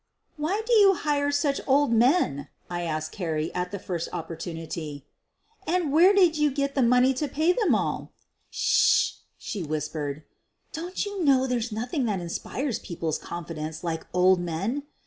"Why do you hire such old men?" I asked Carrie at the first opportunity, "And where do you get the money to pay all of them?" "S s sh!" she whispered. "Don't you know there 's nothing that inspires people 's confidence like old men?